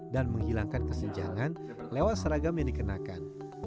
menghilangkan kesenjangan lewat seragam yang dikenakan